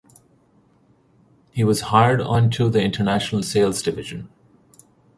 He was hired on to the international sales division.